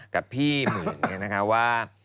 กับพี่หมื่นเนี่ยนะคะว่า